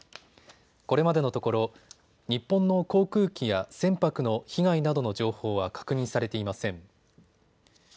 これまでのところ、日本の航空機や船舶の被害などの情報は確認されていません。